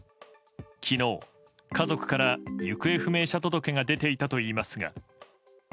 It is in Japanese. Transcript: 昨日、家族から行方不明者届が出ていたといいますが。